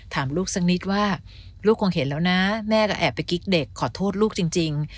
ถามลูกสักนิดว่าลูกคงเห็นแล้วนะแม่ก็แอบไปกิ๊กเด็กขอโทษลูกจริง